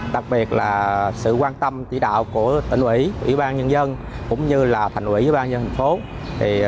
đặc biệt là sự quan tâm chỉ đạo của tỉnh ủy ủy ban nhân dân cũng như thành ủy ủy ban nhân thành phố